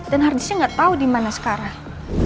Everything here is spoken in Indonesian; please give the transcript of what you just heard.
dan hardisknya gak tau dimana sekarang